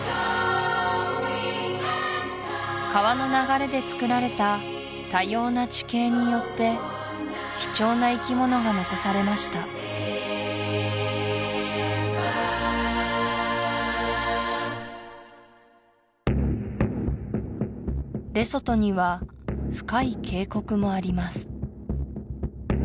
川の流れでつくられた多様な地形によって貴重な生き物が残されましたレソトには深い渓谷もあります